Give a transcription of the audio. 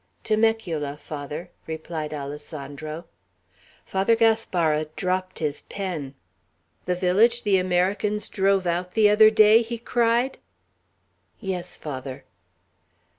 "Temecula, Father," replied Alessandro. Father Gaspara dropped his pen. "The village the Americans drove out the other day?" he cried. "Yes, Father."